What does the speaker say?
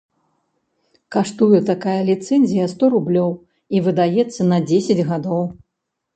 Каштуе такая ліцэнзія сто рублёў і выдаецца на дзесяць гадоў.